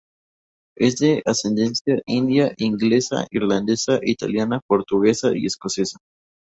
Es de ascendencia india, inglesa, irlandesa, italiana, portuguesa, y escocesa.